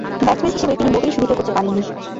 Batsman হিসেবে তিনি মোটেই সুবিধে করতে পারেননি।